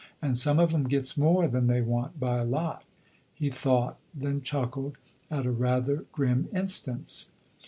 And some of 'em gets more than they want, by a lot." He thought, then chuckled at a rather grim instance.